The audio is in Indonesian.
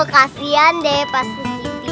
makasih ya pak serikiti